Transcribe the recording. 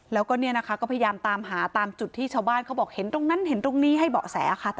แล้วก็เนี่ยนะคะก็พยายามตามหาตามจุดที่ชาวบ้านเขาบอกเห็นตรงนั้นเห็นตรงนี้ให้เบาะแสค่ะ